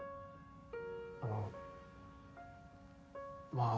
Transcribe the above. あのまあ